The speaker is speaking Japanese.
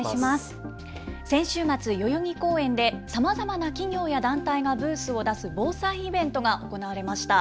先週末、代々木公園でさまざまな企業や団体がブースを出す防災イベントが行われました。